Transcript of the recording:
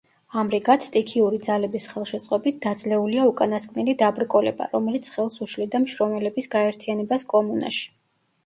ამრიგად, სტიქიური ძალების ხელშეწყობით დაძლეულია უკანასკნელი დაბრკოლება, რომელიც ხელს უშლიდა მშრომელების გაერთიანებას კომუნაში.